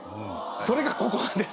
それがここなんです。